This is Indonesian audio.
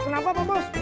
kenapa pak bos